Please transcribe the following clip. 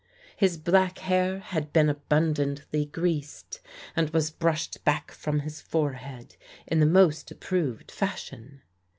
His black hair had been abundantly greased, and was brushed back from his forehead in the most approved fashion.